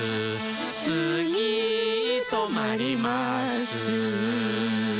「つぎとまります」